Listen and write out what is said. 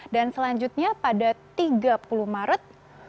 dan selanjutnya pada tiga puluh maret dua ribu dua puluh tiga